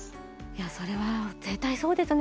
いやそれは絶対そうですよね。